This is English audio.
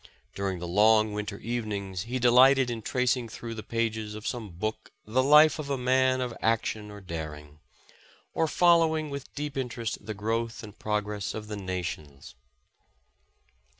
During the long winter evenings, he delighted in tracing through the pages of some book the life of a man of action or daring, or following with deep interest the growth and progress of the nations.